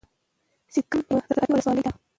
سیدکرم یوه زرعتی ولسوالۍ ده.